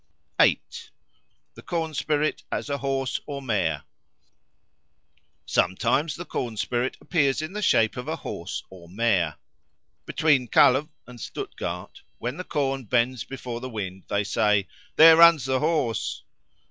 8. The Corn spirit as a Horse or Mare SOMETIMES the corn spirit appears in the shape of a horse or mare. Between Kalw and Stuttgart, when the corn bends before the wind, they say, "There runs the Horse."